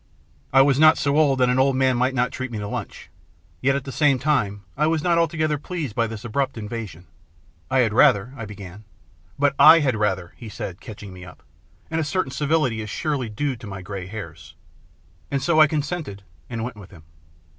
I was not so old that an old man might not treat me to a lunch. Yet at the same time I was not altogether pleased by this abrupt invitation. " I had rather" I began. " But /had rather," he said, catching me up, " and a certain civility is surely due to my grey hairs." And so I consented, and went with him.